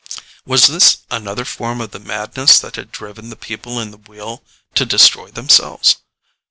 Was this another form of the madness that had driven the people in the Wheel to destroy themselves?